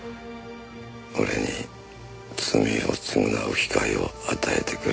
俺に罪を償う機会を与えてくれたんだって。